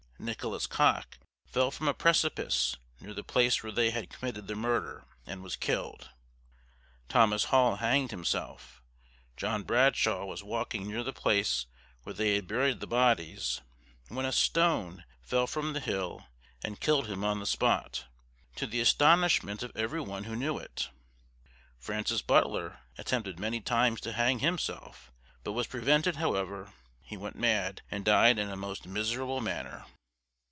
Nicholas Cock fell from a precipice, near the place where they had committed the murder, and was killed. Thomas Hall hanged himself. John Bradshaw was walking near the place where they had buried the bodies, when a stone fell from the hill and killed him on the spot, to the astonishment of every one who knew it. Francis Butler, attempted many times to hang himself, but was prevented; however, he went mad, and died in a most miserable manner.